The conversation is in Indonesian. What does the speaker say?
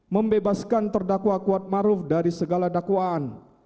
membebaskan terdakwa kuat maruh dari segala dakwaan